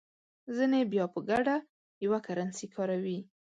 ځینې بیا په ګډه یوه کرنسي کاروي.